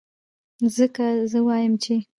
ځکه زۀ وائم چې